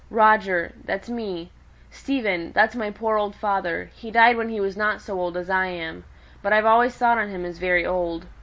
"'Roger,' that's me, 'Stephen,' that's my poor old father: he died when he was not so old as I am; but I've always thought on him as very old.